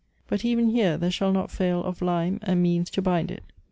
But even here there shall not fail of lime and means to bind it.